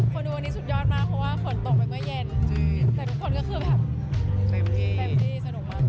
ดูวันนี้สุดยอดมากเพราะว่าฝนตกไปเมื่อเย็นแต่ทุกคนก็คือแบบเต็มที่เต็มที่สนุกมาก